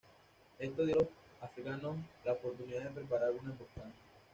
Esto dio a los afganos la oportunidad de preparar una emboscada.